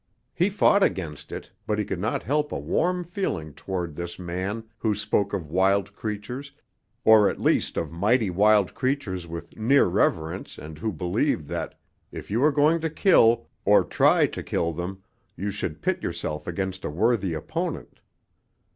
He fought against it, but he could not help a warm feeling toward this man who spoke of wild creatures, or at least of mighty wild creatures with near reverence and who believed that, if you were going to kill, or try to kill them, you should pit yourself against a worthy opponent.